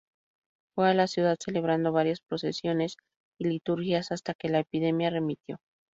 Fue a la ciudad, celebrando varias procesiones y liturgias hasta que la epidemia remitió.